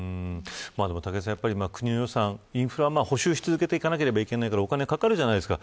武井さん、国の予算インフラは補修しなければいけないのでお金かかるじゃないですか。